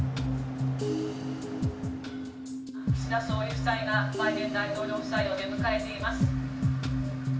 「岸田総理夫妻がバイデン大統領夫妻を出迎えています」